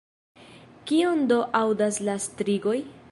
Kion do aŭdas la strigoj?